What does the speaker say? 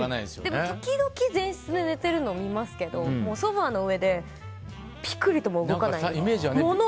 でも時々前室で寝てるのを見ますけどソファの上でぴくりとも動かない。